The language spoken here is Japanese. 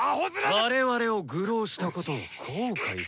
我々を愚弄したことを後悔させ。